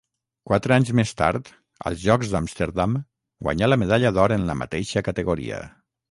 Quatre anys més tard, als Jocs d'Amsterdam, guanyà la medalla d'or en la mateixa categoria.